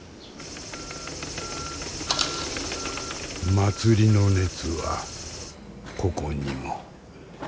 祭りの熱はここにも。